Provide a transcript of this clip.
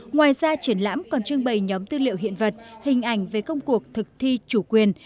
ngoài ra triển lãm còn trưng bày nhóm tư liệu hiện vật hình ảnh về công cuộc thực thi chủ quyền